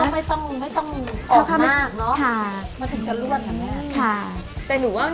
แต่หนูว่านี่ใส่ข้าวเยอะไปนิดนึงนะ